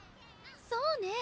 そうね。